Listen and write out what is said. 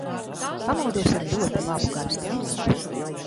Pamodos ar ļoti labu garastāvokli.